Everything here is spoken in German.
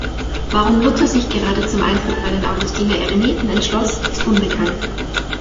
Warum Luther sich gerade zum Eintritt bei den Augustiner-Eremiten entschloss, ist unbekannt.